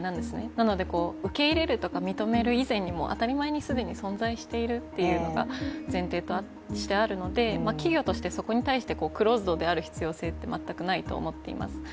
なので、受け入れるとか認める以前に当たり前に既に存在しているっていうのが前提としてあるので企業としてそこに対してクローズドである必要性って全くないと思っています。